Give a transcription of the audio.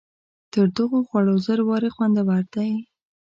تر دغو خوړو زر وارې خوندور دی.